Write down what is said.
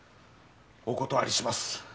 お断りします